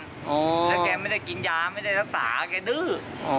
แล้วแกไม่ได้กินยาไม่ได้รักษาแกดื้อ